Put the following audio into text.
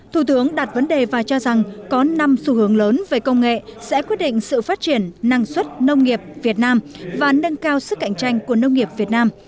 thủ tướng đặt vấn đề và cho rằng có năm xu hướng lớn về công nghệ sẽ quyết định sự phát triển năng suất nông nghiệp việt nam và nâng cao sức cạnh tranh của nông nghiệp việt nam